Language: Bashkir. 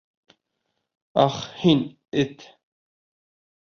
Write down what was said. Ах, һин, эт!